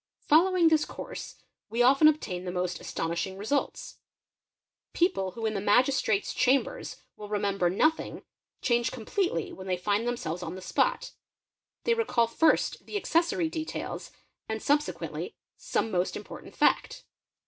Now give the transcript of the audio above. | Following this course we often obtain the most astonishing results: — people who in the Magistrate's chambers will remember nothing, change — completely when they find themselves on the spot; they recall first the — accessory details and subsequently some most important fact.